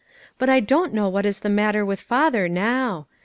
But I don't know what is the matter with father now.